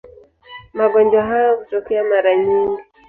Magonjwa hayo hutokea mara nyingi.